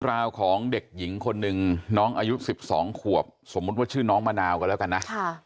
ราวของเด็กหญิงคนหนึ่งน้องอายุ๑๒ขวบสมมุติว่าชื่อน้องมะนาวกันแล้วกันนะ